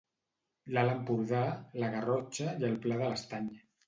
L'Alt Empordà, la Garrotxa i el Pla de l'Estany.